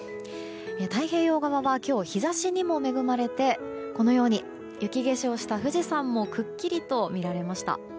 太平洋側は今日、日差しにも恵まれてこのように雪化粧した富士山もくっきりと見られました。